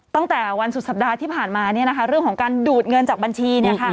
ตั้งแต่วันสุดสัปดาห์ที่ผ่านมาเนี่ยนะคะเรื่องของการดูดเงินจากบัญชีเนี่ยค่ะ